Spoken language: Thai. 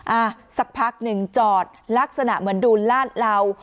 อ่ะสักพักหนึ่งจอดลักษณะเหมือนดูลาดเหลา